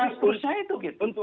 prinsip prinsipnya itu gitu